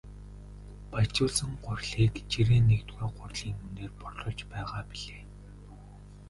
Баяжуулсан гурилыг жирийн нэгдүгээр гурилын үнээр борлуулж байгаа билээ.